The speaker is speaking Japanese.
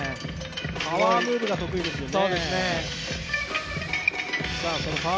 パワームーブが得意ですよね。